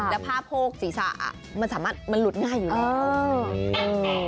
และผ้าโพกสีสระมัดมันหลุดง่ายอยู่เลย